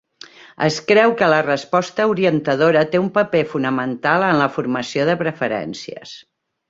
Es creu que la resposta orientadora té un paper fonamental en la formació de preferències.